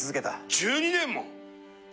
１２年も⁉